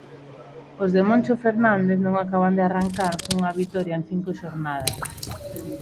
Os de Moncho Fernández non acaban de arrancar cunha vitoria en cinco xornadas...